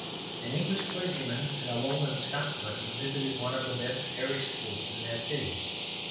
An English clergyman and a Lowland Scotsman visited one of the best parish schools in that city.